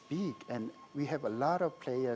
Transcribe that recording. besar dan kami memiliki banyak